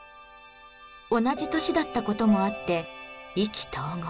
同じ年だったこともあって意気投合。